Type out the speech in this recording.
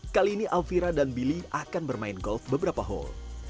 kali ini alvira dan billy akan bermain golf beberapa hal